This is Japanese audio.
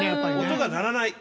音が鳴らない。